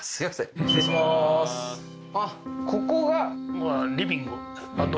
あっここがリビングあと